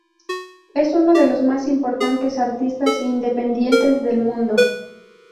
Es uno de los más importantes artistas independientes del mundo.